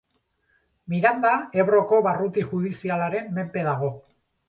Miranda Ebroko barruti judizialaren menpe dago.